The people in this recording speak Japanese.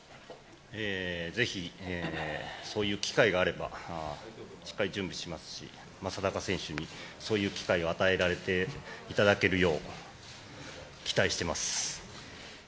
ぜひ、そういう機会があればしっかり準備しますし正尚選手にそういう機会を与えられていただけるよう期待しています。